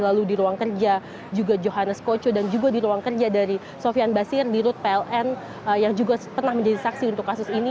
lalu di ruang kerja juga johannes koco dan juga di ruang kerja dari sofian basir di rut pln yang juga pernah menjadi saksi untuk kasus ini